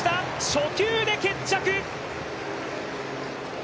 初球で決着！